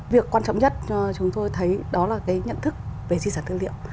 việc quan trọng nhất chúng tôi thấy đó là cái nhận thức về di sản tư liệu